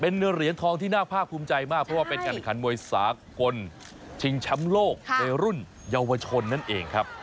เป็นเหรียญทองที่น่าภาคภูมิใจมากเพราะว่าเป็นการแข่งขันมวยสากลชิงแชมป์โลกในรุ่นเยาวชนนั่นเองครับ